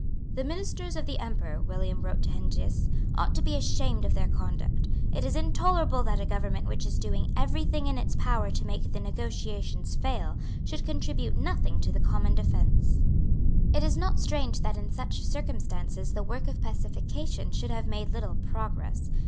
"The ministers of the Emperor," William wrote to Heinsius, "ought to be ashamed of their conduct. It is intolerable that a government which is doing every thing in its power to make the negotiations fail, should contribute nothing to the common defence." It is not strange that in such circumstances the work of pacification should have made little progress.